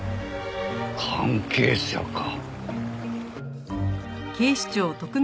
関係者か。